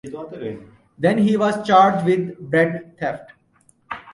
Then he was charged with bread theft.